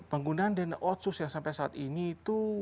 penggunaan dana otsus yang sampai saat ini itu